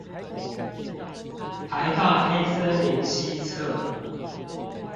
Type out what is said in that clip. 臺大黑森林西側